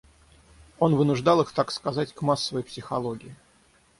Он вынуждал их, так сказать, к массовой психологии.